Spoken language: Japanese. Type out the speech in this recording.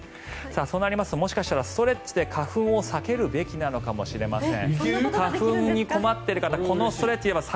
そうなりますと、もしかしたらストレッチで花粉を避けるべきなのかもしれません。